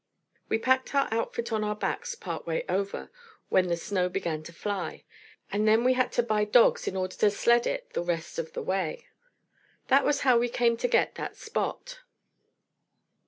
We packed our outfit on our backs part way over, when the snow began to fly, and then we had to buy dogs in order to sled it the rest of the way. That was how we came to get that Spot.